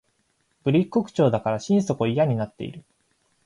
ぶりっ子口調だから心底嫌になっている